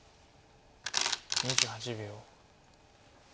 ２８秒。